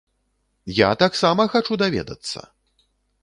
Я таксама хачу даведацца!